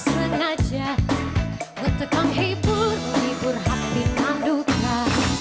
sengaja betulkan hibur hibur hati nanduka